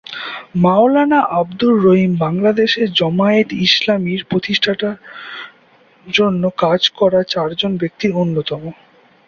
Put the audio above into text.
মাওলানা আবদুর রহিম বাংলাদেশে জামায়াতে ইসলামীর প্রতিষ্ঠার জন্য কাজ করা চারজন ব্যক্তির অন্যতম।